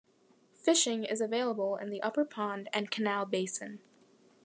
Fishing is available in the upper pond and canal basin.